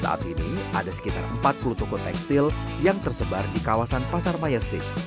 saat ini ada sekitar empat puluh toko tekstil yang tersebar di kawasan pasar mayastik